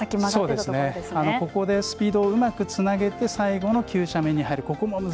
ここでスピードをうまくつなげて最後の急斜面に入るところ。